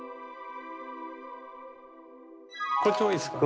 こっちもいいですか？